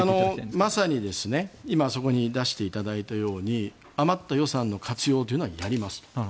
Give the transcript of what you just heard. まさに今そこに出していただいたように余った予算の活用はやります。